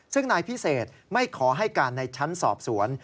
ซึ่งนายพิเศษไม่ขอให้การในชั้นสอบสวน